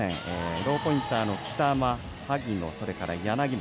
ローポインターの北田、萩本、柳本。